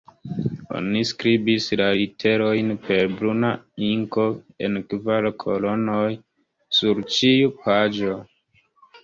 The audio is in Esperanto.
Oni skribis la literojn per bruna inko, en kvar kolonoj sur ĉiu paĝo.